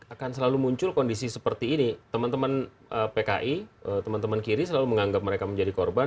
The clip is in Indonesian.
akan selalu muncul kondisi seperti ini teman teman pki teman teman kiri selalu menganggap mereka menjadi korban